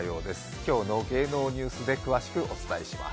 今日の芸能ニュースで詳しくお伝えします。